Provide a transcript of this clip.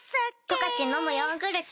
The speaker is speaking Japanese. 「十勝のむヨーグルト」